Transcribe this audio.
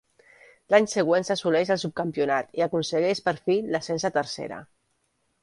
L'any següent s'assoleix el subcampionat i aconsegueix per fi l'ascens a Tercera.